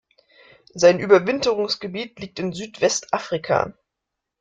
Sein Überwinterungsgebiet liegt in Süd-West-Afrika.